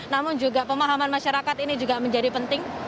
namun juga pemahaman masyarakat ini juga menjadi penting